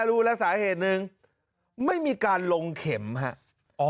รู้แล้วหนึ่งสาเหตุ